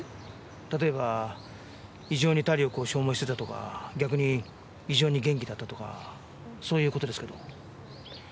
例えば異常に体力を消耗してたとか逆に異常に元気だったとかそういう事ですけど。